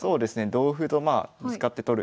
同歩とまあぶつかって取る。